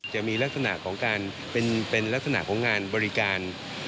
จะมีลักษณะของการเป็นลักษณะของงานบริการ